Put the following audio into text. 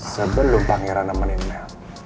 sebelum pangeran nemenin mel